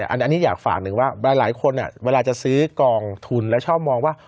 อันนี้อยากฝากหนึ่งว่าหลายคนเวลาจะซื้อกองทุนแล้วชอบมองว่า